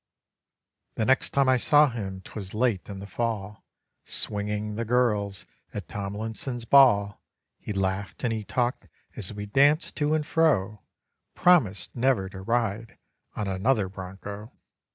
The next time I saw him 'twas late in the fall, Swinging the girls at Tomlinson's ball. He laughed and he talked as we danced to and fro, Promised never to ride on another broncho.